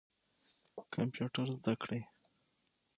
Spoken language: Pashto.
کمپیوټر زده کړئ